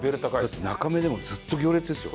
だって中目でもずっと行列ですよ。